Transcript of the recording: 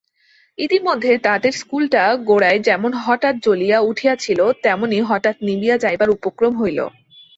ইতিমধ্যে তাঁতের স্কুলটা গোড়ায় যেমন হঠাৎ জ্বলিয়া উঠিয়াছিল তেমনি হঠাৎ নিবিয়া যাইবার উপক্রম হইল।